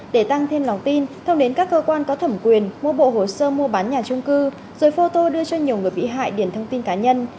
để tăng thêm lòng tin thông đến các cơ quan có thẩm quyền mua bộ hồ sơ mua bán nhà trung cư rồi photo đưa cho nhiều người bị hại điền thông tin cá nhân